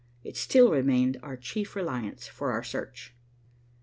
It still remained our chief reliance for our search.